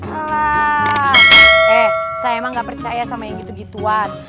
ah eh saya emang gak percaya sama yang gitu gituan